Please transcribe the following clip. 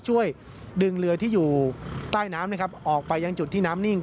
ช่วยดึงเรือที่อยู่ใต้น้ำนะครับออกไปยังจุดที่น้ำนิ่ง